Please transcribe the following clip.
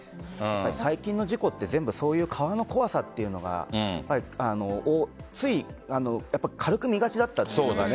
最近の事故は、全部そういう川の怖さというのがつい軽く見がちだったんですよね。